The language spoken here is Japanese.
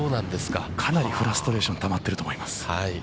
かなりフラストレーションがたまっていると思います。